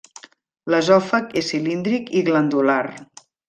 L'esòfag és cilíndric i glandular.